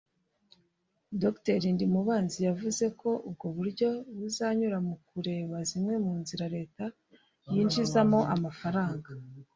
Dr Ndimubanzi yavuze ko ubwo buryo buzanyura mu kureba zimwe mu nzira leta yinjirizamo amafaranga